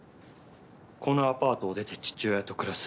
このアパートを出て父親と暮らす。